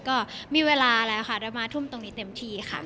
ก็มีเวลาแล้วค่ะเดี๋ยวมาทุ่มตรงนี้เต็มที่ค่ะ